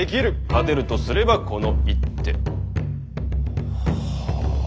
勝てるとすればこの一手。